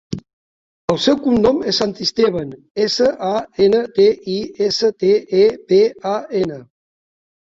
El seu cognom és Santisteban: essa, a, ena, te, i, essa, te, e, be, a, ena.